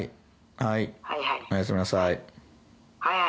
はいはい、おやすみなさい。